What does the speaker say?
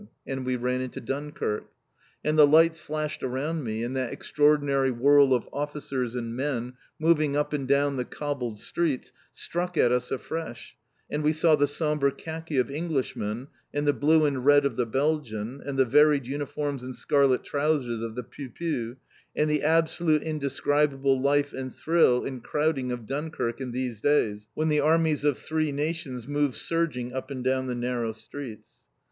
And we ran into Dunkirk. And the lights flashed around me, and that extraordinary whirl of officers and men, moving up and down the cobbled streets, struck at us afresh, and we saw the sombre khaki of Englishmen, and the blue and red of the Belgian, and the varied uniforms and scarlet trousers of the Piou Piou, and the absolutely indescribable life and thrill and crowding of Dunkirk in these days, when the armies of three nations moved surging up and down the narrow streets.